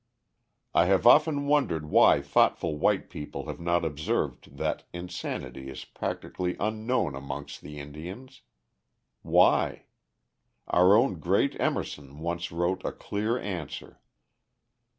I have often wondered why thoughtful white people have not observed that insanity is practically unknown amongst the Indians. Why? Our own great Emerson once wrote a clear answer.